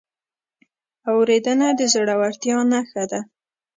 اورېدنه د زړورتیا نښه ده.